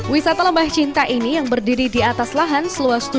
wisata lembah cinta ini yang berdiri di atas lahan seluas tujuh meter